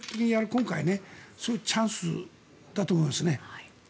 今回、すごいチャンスだと思いますね。